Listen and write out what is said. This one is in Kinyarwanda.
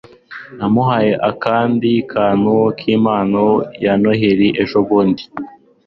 namuhaye kandi akantu nkimpano ya noheri ejobundi